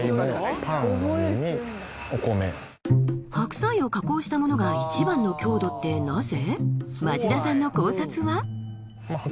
白菜を加工したものがいちばんの強度ってなぜ？